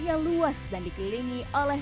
yang luas dan dikelilingi oleh